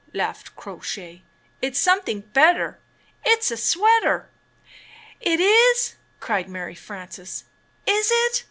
laughed Crow Shay, "It's something better — It's a sweater." "Is it?" cried Mary Frances. "Is it?